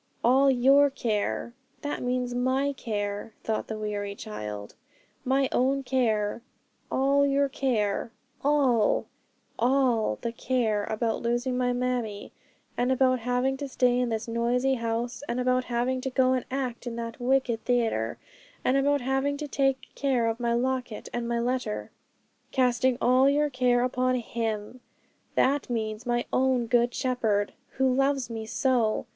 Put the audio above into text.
'"All your care," that means my care,' thought the weary child, 'my own care. "All your care;" all all the care about losing my mammie, and about having to stay in this noisy house, and about having to go and act in that wicked theatre, and about having to take care of my locket and my letter. '"Casting all your care upon Him" that means my own Good Shepherd, who loves me so.